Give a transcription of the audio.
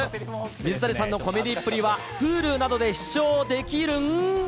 水谷さんのコメディーっぷりはＨｕｌｕなどで視聴できるん。